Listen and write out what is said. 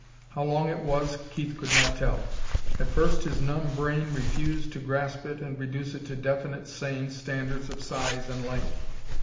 How long it was, Keith could not tell; at first his numb brain refused to grasp it and reduce it to definite, sane standards of size and length.